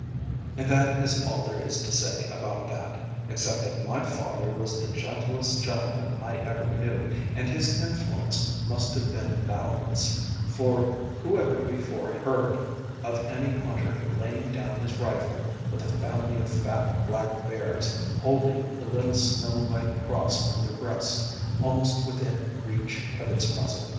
And that is all there is to say about that, except that my father was the gentlest gentleman I ever knew and his influence must have been boundless; for who ever before heard of any hunter laying down his rifle with a family of fat black bears holding the little snow white cross on their breasts almost within reach of its muzzle?